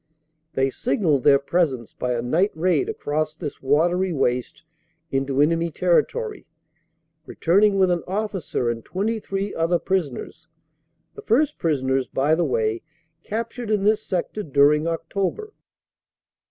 They signalled their presence by a night raid across this watery waste into enemy territory, return ing with an officer and 23 other prisoners, the first prisoners, by the way, captured in this sector during October.